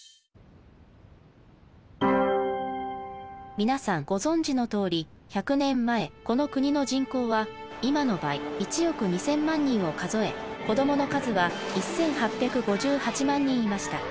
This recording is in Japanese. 皆さんご存じのとおり１００年前この国の人口は今の倍１億２，０００万人を数え子どもの数は１，８５８万人いました。